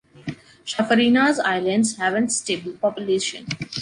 Chafarinas Islands haven’t stable population.